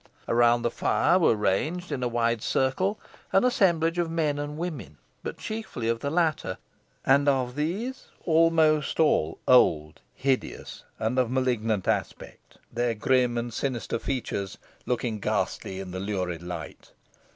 Around the fire were ranged, in a wide circle, an assemblage of men and women, but chiefly the latter, and of these almost all old, hideous, and of malignant aspect, their grim and sinister features looking ghastly in the lurid light.